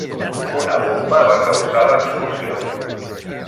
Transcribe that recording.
Una bomba va causar l'explosió.